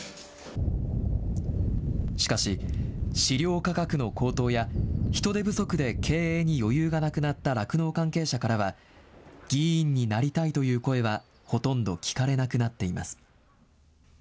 しかし、飼料価格の高騰や、人手不足で経営に余裕がなくなった酪農関係者からは、議員になりたいという声は、ほとんど聞かれなくなっています。